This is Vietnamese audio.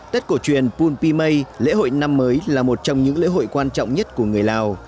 tết cổ truyền pun pimay lễ hội năm mới là một trong những lễ hội quan trọng nhất của người lào